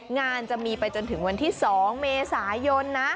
งานจะมีไปจนถึงวันที่๒เมษายนนะ